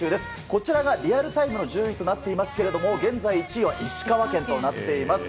こちらがリアルタイムの順位となっていますが現在、１位は石川県となっています。